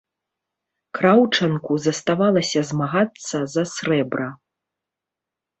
Краўчанку заставалася змагацца за срэбра.